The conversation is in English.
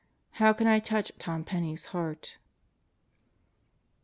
How can I touch Tom Penney's heart?"